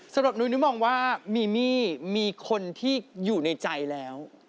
สำหรับหนูหนูมองว่ามีมี่มีคนที่อยู่ในใจแล้ว